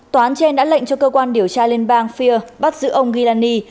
tòa án trên đã lệnh cho cơ quan điều tra liên bang fier bắt giữ ông gilani